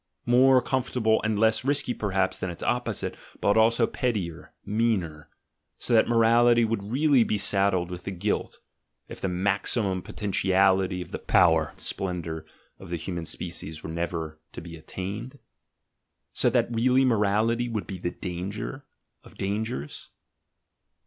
More comfortable and less risky perhaps than its opposite, but also pettier, meaner! So that morality would really be saddled with the guilt, if the maximum potentiality of the power and splendour of the human species were never to be attained? So that really morality would be the danger of dangers?